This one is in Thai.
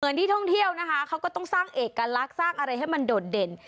ที่ท่องเที่ยวนะคะเขาก็ต้องสร้างเอกลักษณ์สร้างอะไรให้มันโดดเด่น